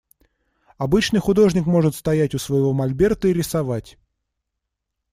Обычный художник может стоять у своего мольберта и рисовать.